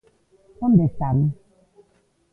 ¿Onde están?